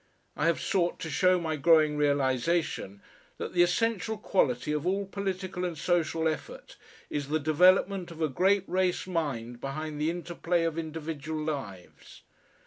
I have sought to show my growing realisation that the essential quality of all political and social effort is the development of a great race mind behind the interplay of individual lives.